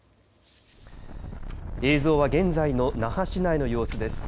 映像は現在の那覇市内の様子です。